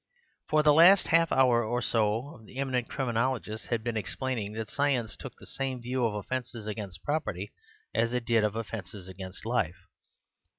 For the last half hour or so the eminent criminologist had been explaining that science took the same view of offences against property as it did of offences against life.